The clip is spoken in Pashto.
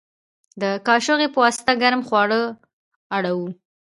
د کاچوغې په واسطه ګرم خواړه اړوو.